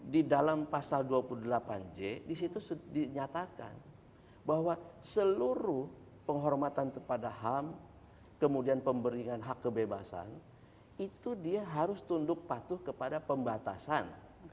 di dalam pasal dua puluh delapan j disitu dinyatakan bahwa seluruh penghormatan kepada ham kemudian pemberian hak kebebasan itu dia harus tunduk patuh kepada pembatasan